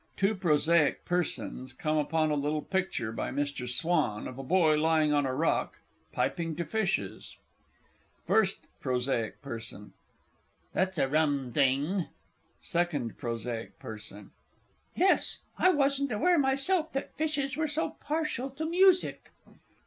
Two Prosaic Persons come upon a little picture, by Mr. Swan, of a boy lying on a rock, piping to fishes. FIRST P. P. That's a rum thing! SECOND P. P. Yes, I wasn't aware myself that fishes were so partial to music.